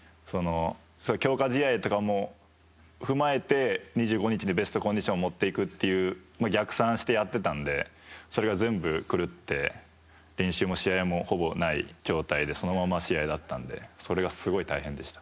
強化試合とかも踏まえて２５日にベストコンディションを持っていくっていう逆算をやってたのでそれが全部狂って練習も試合もほぼない状態でそのまま試合だったのでそれが、すごい大変でした。